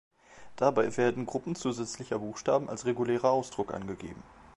Dabei werden Gruppen zusätzlicher Buchstaben als regulärer Ausdruck angegeben.